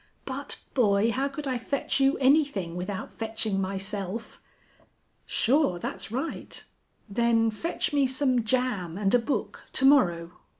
"But, boy, how could I fetch you anything without fetching myself?" "Sure, that's right. Then fetch me some jam and a book to morrow.